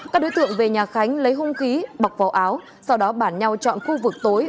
các đối tượng về nhà khánh lấy hung khí bọc vào áo sau đó bản nhau chọn khu vực tối